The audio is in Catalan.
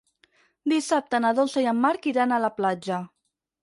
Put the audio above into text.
Dissabte na Dolça i en Marc iran a la platja.